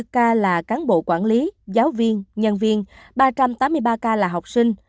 tám mươi bốn k là cán bộ quản lý giáo viên nhân viên ba trăm tám mươi ba k là học sinh